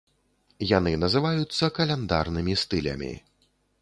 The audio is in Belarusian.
Яны называюцца каляндарнымі стылямі.